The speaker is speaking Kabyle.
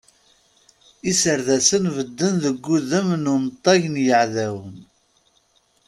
Iserdasen bedden deg udem n unṭag n yeεdawen.